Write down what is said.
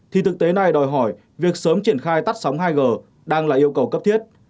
thì thực tế này đòi hỏi việc sớm triển khai tắt sóng hai g đang là yêu cầu cấp thiết